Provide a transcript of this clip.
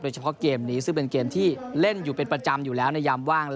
เฉพาะเกมนี้ซึ่งเป็นเกมที่เล่นอยู่เป็นประจำอยู่แล้วในยามว่าง